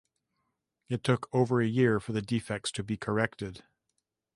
It took over a year for the defects to be corrected.